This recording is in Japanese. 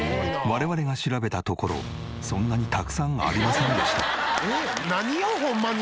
我々が調べたところそんなにたくさんありませんでした。